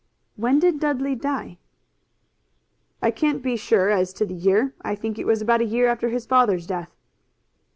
"When did Dudley die?" "I can't be sure as to the year. I think it was about a year after his father's death."